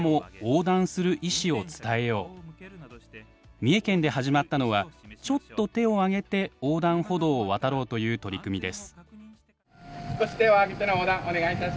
三重県で始まったのはちょっと手を上げて横断歩道を渡ろうという取り組みです。